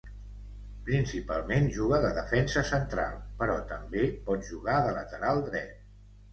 Principalment juga de defensa central, però també pot jugar de lateral dret.